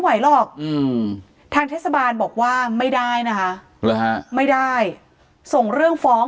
หรอกอืมทางเทศบาลบอกว่าไม่ได้นะคะไม่ได้ส่งเรื่องฟ้อง